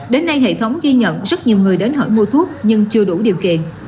đến nay hệ thống ghi nhận rất nhiều người đến hỏi mua thuốc nhưng chưa đủ điều kiện